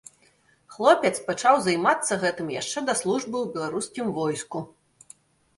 Хлопец пачаў займацца гэтым яшчэ да службы ў беларускім войску.